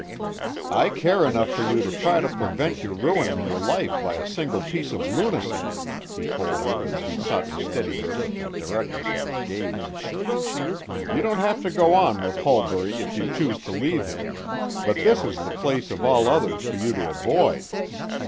"I care enough for you to try to prevent your ruining your life by a single piece of lunacy," he told her as he sought to steady her with the directness of his gaze. "You don't have to go on with Holbury if you choose to leave him, but this is the one place of all others for you to avoid."